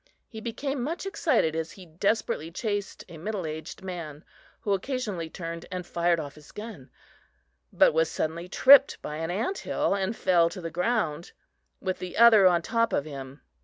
He became much excited as he desperately chased a middle aged man, who occasionally turned and fired off his gun, but was suddenly tripped by an ant hill and fell to the ground, with the other on top of him.